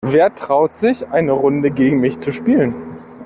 Wer traut sich, eine Runde gegen mich zu spielen?